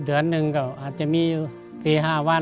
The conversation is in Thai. เดือ่อนหนึ่งก็อาจจะมี๔๕วัน